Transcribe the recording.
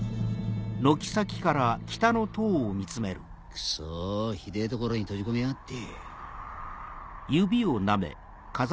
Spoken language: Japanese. クソひでぇ所に閉じ込めやがって。